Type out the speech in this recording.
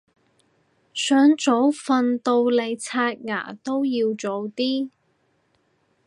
想早瞓到你刷牙都要早啲